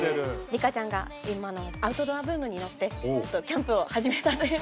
リカちゃんが今のアウトドアブームにのってキャンプを始めたという。